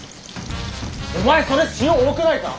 お前それ塩多くないか？